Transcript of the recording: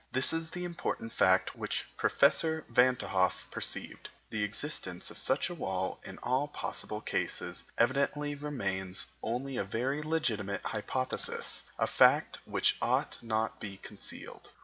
This is the important fact which Professor Van t' Hoff perceived. The existence of such a wall in all possible cases evidently remains only a very legitimate hypothesis, a fact which ought not to be concealed.